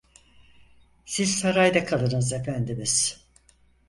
Siz sarayda kalınız efendimiz…